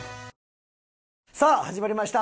さあ始まりました。